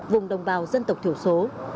vùng đồng bào dân tộc thiểu số